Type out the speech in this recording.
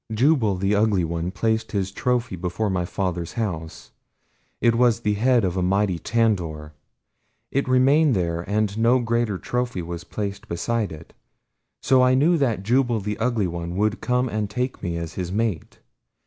"Jubal the Ugly One placed his trophy before my father's house. It was the head of a mighty tandor. It remained there and no greater trophy was placed beside it. So I knew that Jubal the Ugly One would come and take me as his mate.